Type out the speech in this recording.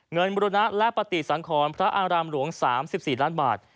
เงินอุดหนุนบรุณประติสังขรพระอารามรวง๓๔ล้านบาท